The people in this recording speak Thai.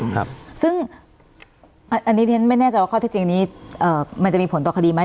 ครับซึ่งอันนี้ไม่แน่ใจว่าข้อเท็จจริงนี้เอ่อมันจะมีผลต่อคดีไหม